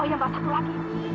oh iya mbak satu lagi